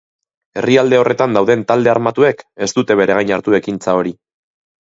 Herrialde horretan dauden talde armatuek ez dute bere gain hartu ekintza hori.